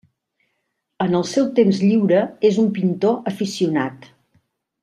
En el seu temps lliure és un pintor aficionat.